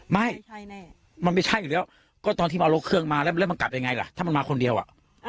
ไม่ใช่แน่มันไม่ใช่อยู่แล้วก็ตอนที่มาเอารถเครื่องมาแล้วแล้วมันกลับยังไงล่ะถ้ามันมาคนเดียวอ่ะ